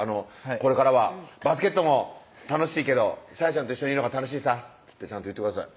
「これからはバスケットも楽しいけど沙也ちゃんと一緒にいるのが楽しいさ」っつってちゃんと言ってください